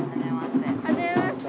はじめまして。